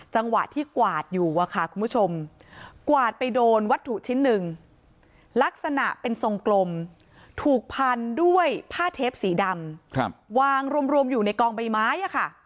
จังหวะที่กวาดอยู่อะค่ะคุณผู้ชมกวาดไปโดนวัตถุชิ้นหนึ่งลักษณะเป็นทรงกลมถูกพันด้วยผ้าเทปสีดำวางรวมอยู่ในกองใบไม้